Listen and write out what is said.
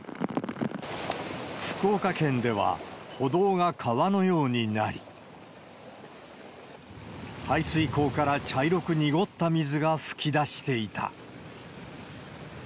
福岡県では、歩道が川のようになり、排水溝から茶色く濁った水が噴き出していた。